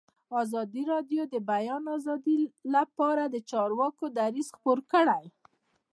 ازادي راډیو د د بیان آزادي لپاره د چارواکو دریځ خپور کړی.